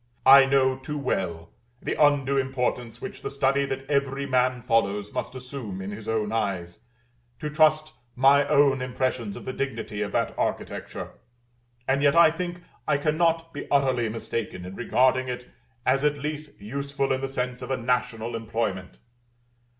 I know too well the undue importance which the study that every man follows must assume in his own eyes, to trust my own impressions of the dignity of that of Architecture; and yet I think I cannot be utterly mistaken in regarding it as at least useful in the sense of a National employment.